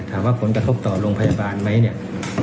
ถามว่าผลกระทบต่อโรงพยาบาลไหมเนี่ย